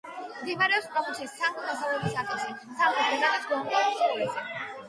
მდებარეობს პროვინციის სამხრეთ-დასავლეთ ნაწილში, სამხრეთით გადის გუაკანაიაბოს ყურეზე.